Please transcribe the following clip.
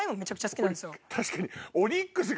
確かに。